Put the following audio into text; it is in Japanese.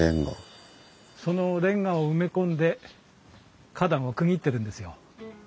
そのレンガを埋め込んで花壇を区切ってるんですよ。